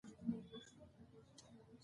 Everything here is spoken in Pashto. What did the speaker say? افغانستان په جلګه غني دی.